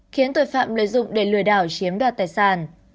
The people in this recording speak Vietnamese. khiến tội phạm lợi dụng để lừa đảo chiếm đoạt tài sản